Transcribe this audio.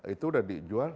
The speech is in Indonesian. itu sudah dijual